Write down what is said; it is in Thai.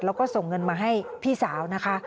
แล้วก็ส่งเงินมาให้พี่สาวนะคะ